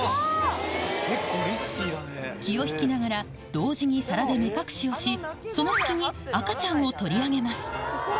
気を引きながら同時に皿で目隠しをしその隙に赤ちゃんを取り上げます